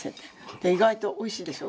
「意外とおいしいでしょ？